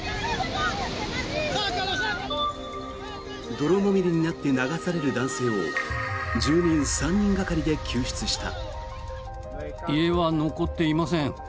泥まみれになって流される男性を住民３人がかりで救出した。